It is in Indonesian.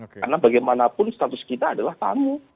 karena bagaimanapun status kita adalah tamu